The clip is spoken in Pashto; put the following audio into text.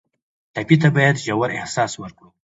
ټپي ته باید ژور احساس ورکړو.